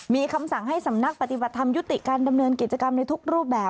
มีคำสั่งให้สำนักปฏิบัติธรรมยุติการดำเนินกิจกรรมในทุกรูปแบบ